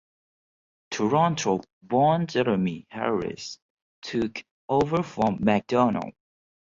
Toronto-born Jeremy Harris took over from MacDonald.